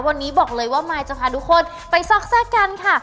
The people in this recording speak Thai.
วันนี้บอกเลยว่ามายจะพาทุกคนไปซอกแทรกกันค่ะ